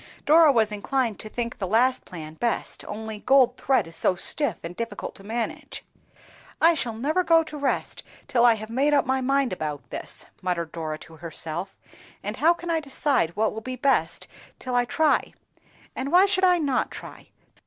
Dora was inclined to think the last plan best, only gold thread is so stiff, and difficult to manage. "I shall never go to rest till I have made up my mind about this," muttered Dora to herself, "and how can I decide what will be best till I try? And why should I not try?"